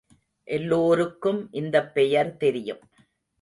எல்லோருக்கும் இந்தப் பெயர் தெரியும்.